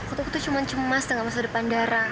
aku tuh cuma cemas dengan masa depan dara